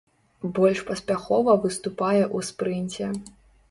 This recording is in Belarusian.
Больш паспяхова выступае ў спрынце.